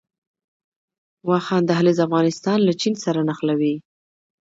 واخان دهلیز افغانستان له چین سره نښلوي